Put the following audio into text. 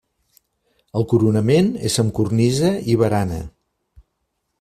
El coronament és amb cornisa i barana.